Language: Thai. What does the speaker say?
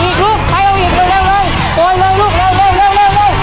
อีกลูกไปเอาอีกหนึ่งเร็วเลยโดยเร็วลูกเร็ว